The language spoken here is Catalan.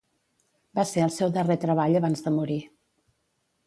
Va ser el seu darrer treball abans de morir.